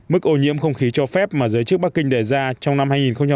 mức ô nhiễm không khí cho phép mà giới chức bắc kinh đề ra trong năm hai nghìn một mươi chín